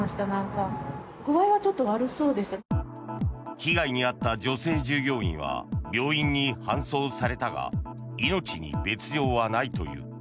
被害に遭った女性従業員は病院に搬送されたが命に別条はないという。